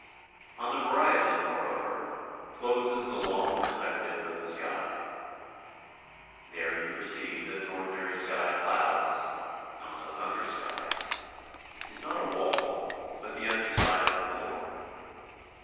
On the horizon, moreover, closes the long perspective of the sky. There you perceive that an ordinary sky of clouds not a thunder sky is not a wall but the underside of a floor.